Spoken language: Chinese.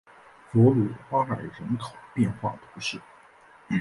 弗鲁阿尔人口变化图示